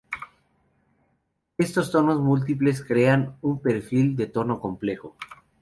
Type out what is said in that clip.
Estos tonos múltiples crean un perfil de tono complejo.